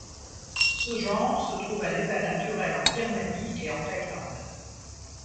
Ce genre se trouve à l'état naturel en Birmanie et en Thaïlande.